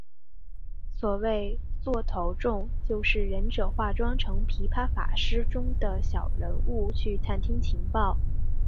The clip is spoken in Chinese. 所谓的座头众就是忍者化妆成琵琶法师中的小人物去探听情报。